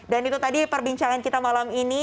dan itu tadi perbincangan kita malam ini